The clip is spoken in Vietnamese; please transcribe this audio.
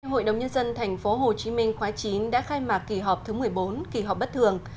hội đồng nhân dân tp hcm khóa chín đã khai mạc kỳ họp thứ một mươi bốn kỳ họp bất thường